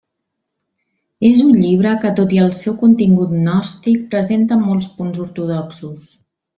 És un llibre que, tot i el seu contingut gnòstic, presenta molts punts ortodoxos.